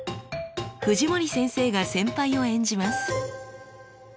藤森先生が先輩を演じます。